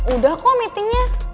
udah kok meetingnya